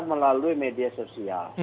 melalui media sosial